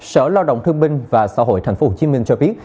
sở lao động thương binh và xã hội tp hcm cho biết